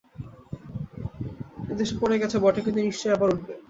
এদেশ পড়ে গেছে বটে, কিন্তু নিশ্চয় আবার উঠবে।